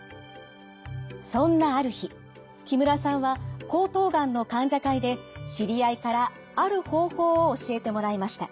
そんなある日木村さんは喉頭がんの患者会で知り合いからある方法を教えてもらいました。